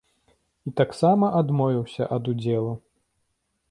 І таксама адмовіўся ад удзелу.